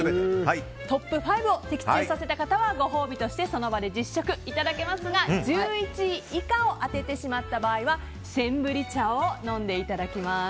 トップ５を的中させた方はご褒美としてその場で実食いただけますが１１位以下を当ててしまった場合はセンブリ茶を飲んでいただきます。